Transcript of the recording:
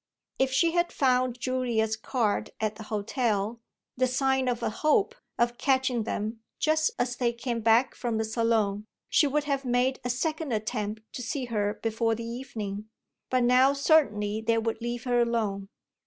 If she had found Julia's card at the hotel the sign of a hope of catching them just as they came back from the Salon she would have made a second attempt to see her before the evening; but now certainly they would leave her alone.